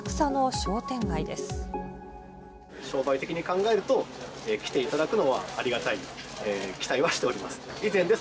商売的に考えると、来ていただくのはありがたい、期待はしております。